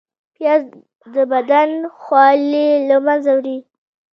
پیاز د بدن خولې له منځه وړي